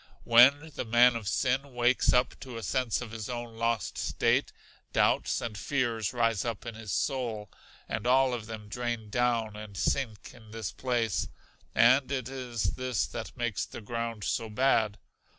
When the man of sin wakes up to a sense of his own lost state, doubts and fears rise up in his soul, and all of them drain down and sink in this place: and it is this that makes the ground so bad.